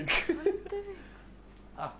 あっ。